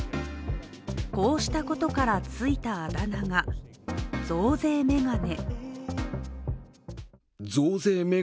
こうしたことから、ついたあだ名が増税メガネ。